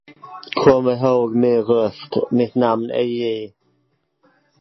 Den ena har fullt upp, den andra dignar av brist.